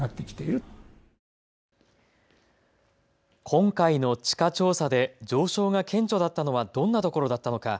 今回の地価調査で上昇が顕著だったのはどんなところだったのか。